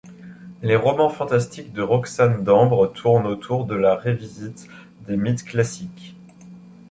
Les romans fantastiques de Roxane Dambre tournent autour de la revisite des mythes classiques.